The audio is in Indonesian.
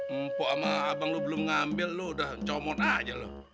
empok sama abang lu belum ngambil lu udah ncomot aja lu